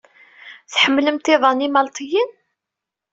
Tḥemmlemt iḍan imalṭiyen?